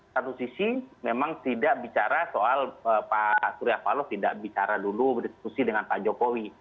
satu sisi memang tidak bicara soal pak surya paloh tidak bicara dulu berdiskusi dengan pak jokowi